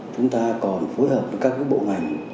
chúng ta còn phối hợp với các bộ ngành